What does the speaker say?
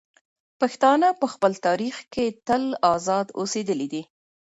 پښتانه په خپل تاریخ کې تل ازاد اوسېدلي دي.